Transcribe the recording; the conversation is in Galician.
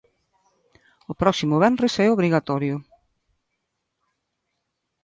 O próximo venres é obrigatorio.